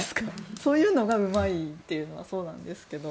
そういうのがうまいというのはそうなんですけど。